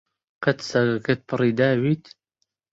قەت سەگەکەت پڕی داویت؟